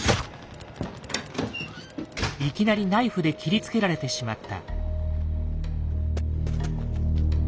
いきなりナイフで切りつけられてしまった。